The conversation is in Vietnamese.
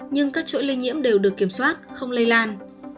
nhưng các chuỗi lây nhiễm đều được kiểm soát không lây lan